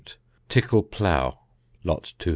Tickle plough. Lot 222.